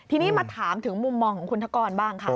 ทีนี้มาถามถึงมุมมองของคุณธกรบ้างค่ะ